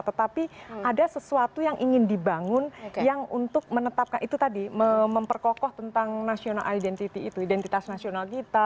tetapi ada sesuatu yang ingin dibangun yang untuk menetapkan itu tadi memperkokoh tentang national identity itu identitas nasional kita